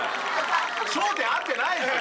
焦点合ってないっすよ。